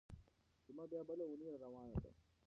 جمعه بيا بله اونۍ راروانه ده.